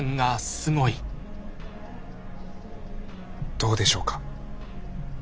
どうでしょうか？